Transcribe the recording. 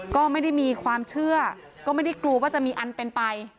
ก็ไม่ได้มีความเชื่อก็ไม่ได้กลัวว่าจะมีอันเป็นไป